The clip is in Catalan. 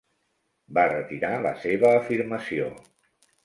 Va retirar la seva afirmació.